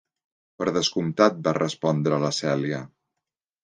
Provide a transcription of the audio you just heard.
"Per descomptat", va respondre la Celia.